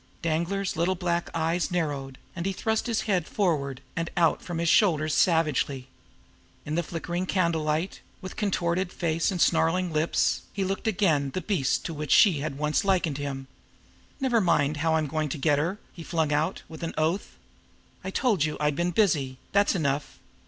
Danglar's little black eyes narrowed, and he thrust his head forward and out from his shoulders savagely. In the flickering candle light, with contorted face and snarling lips, he looked again the beast to which she had once likened him. "Never mind how I'm going to get her!" he flung out, with an oath. "I told you I'd been busy. That's enough!